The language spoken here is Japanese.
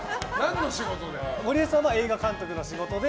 ゴリエさんは映画監督の仕事で。